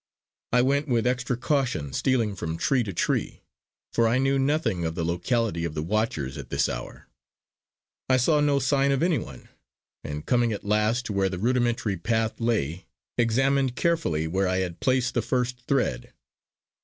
I went with extra caution, stealing from tree to tree; for I knew nothing of the locality of the watchers at this hour. I saw no sign of anyone; and coming at last to where the rudimentary pathway lay, examined carefully where I had placed the first thread.